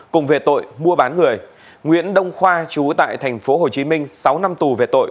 cùng về tội mua bán người nguyễn đông khoa chú tại tp hcm sáu năm tù về tội